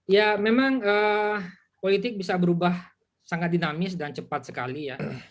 ya memang politik bisa berubah sangat dinamis dan cepat sekali ya